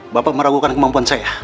bapak meragukan kemampuan saya